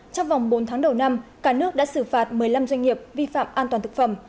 trong vòng bốn tháng đầu năm cả nước đã xử phạt một mươi năm doanh nghiệp vi phạm an toàn thực phẩm